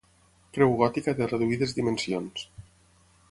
Creu gòtica de reduïdes dimensions.